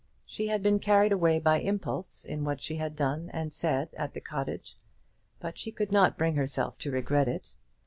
She had been carried away by impulse in what she had done and said at the cottage, but she could not bring herself to regret it.